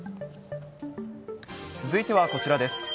続いてはこちらです。